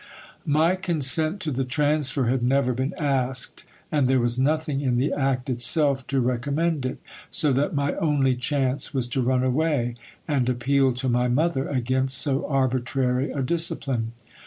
My consent to the transfer had never been asked, and there was nothing in the act itself to recom mend it ; so that my only chance was to run away, and appeal to my mother against so arbitrary a discipline.